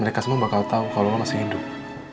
mereka semua bakal tau kalo lo masih hidup